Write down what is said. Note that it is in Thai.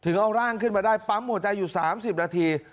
ถึงเอาร่างขึ้นมาได้ปั๊มหัวใจอยู่สามสิบนาที